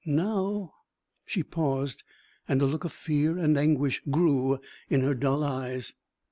Now ' She paused, and a look of fear and anguish grew in her dull eyes.